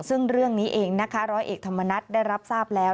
ซึ่งเรื่องนี้เองนะคะร้อยเอกธรรมนัฐได้รับทราบแล้ว